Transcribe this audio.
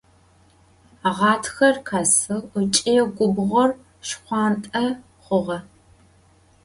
Ğatxer khesığ ıç'i gubğor şşxhuant'e xhuğe.